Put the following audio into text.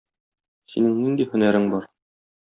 Синең нинди һөнәрең бар?